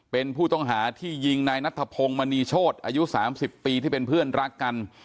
เป็นผู้ต้องหาที่ยิงนายนัทพงศ์มณีโชธอายุ๓๐ปีที่เป็นเพื่อนรักกัน